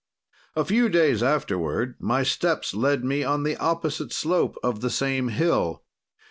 "A few days afterward my steps lead me on the opposite slope of the same hill.